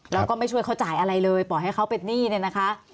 แล้วก็ไม่ช่วยเขาจ่ายอะไรเลยปล่อยให้เขาเป็นหนี้เนี่ยนะคะ